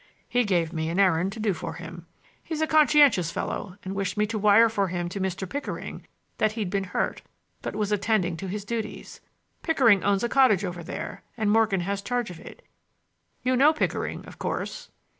He gave me an errand to do for him. He's a conscientious fellow and wished me to wire for him to Mr. Pickering that he'd been hurt, but was attending to his duties. Pickering owns a cottage over there, and Morgan has charge of it. You know Pickering, of course?"